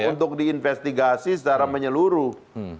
untuk diinvestigasi secara menyeluruh